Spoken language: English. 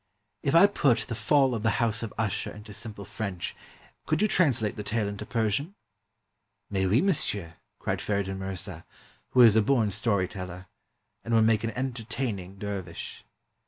" If I put 'The Fall of the House of Usher' into simple French, could you translate the tale into Persian?" " Mais oui, monsieur!" cried Feridun Mirza, who is a born story teller, and would make an entertaining der vish.